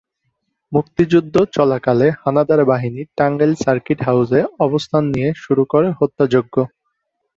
মুক্তিযুদ্ধ চলাকালে হানাদার বাহিনী টাঙ্গাইল সার্কিট হাউসে অবস্থান নিয়ে শুরু করে হত্যাযজ্ঞ।